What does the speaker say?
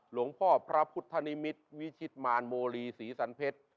หลวงพ่อพระพุทธนิมิตรวิชิตมารโมลีศรีสันเพชร